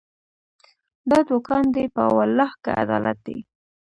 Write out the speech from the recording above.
دا دوکان دی، په والله که عدالت دی